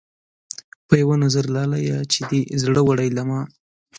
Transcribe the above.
پۀ يو نظر لاليه چې دې زړۀ وړے له ما